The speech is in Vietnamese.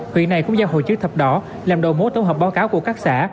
huyện này cũng do hội chức thập đỏ làm đầu mối tổng hợp báo cáo của các xã